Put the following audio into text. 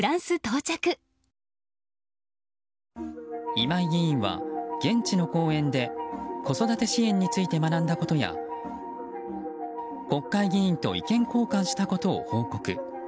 今井議員は、現地の講演で子育て支援について学んだことや国会議員と意見交換したことを報告。